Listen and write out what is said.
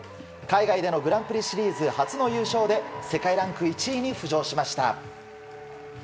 海外でのグランプリシリーズ初の優勝で世界ランク１位に浮上しました。